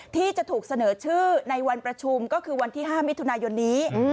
ที่จะถูกเสนอชื่อในวันประชุมก็คือวันที่๕มิถุนายนนี้